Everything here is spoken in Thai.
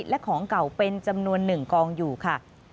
และของเก่าเป็นจำนวน๑กองอยู่ค่ะ